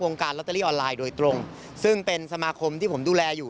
การลอตเตอรี่ออนไลน์โดยตรงซึ่งเป็นสมาคมที่ผมดูแลอยู่